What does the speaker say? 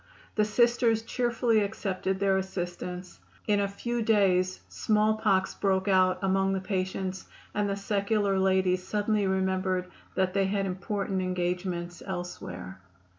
The Sisters cheerfully accepted their assistance. In a few days small pox broke out among the patients and the secular ladies suddenly remembered that they had important engagements elsewhere.